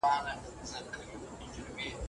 مستې بې خمیرې نه جوړیږي.